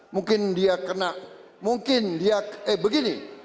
mungkin dia kena mungkin dia eh begini